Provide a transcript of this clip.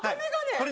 これ！